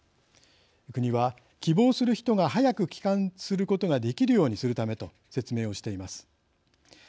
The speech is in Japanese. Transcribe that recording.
国は希望する人が早く帰還することができるようにするためとと説明しています。